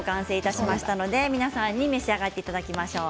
皆さんに召し上がっていただきましょう。